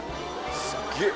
すっげえ！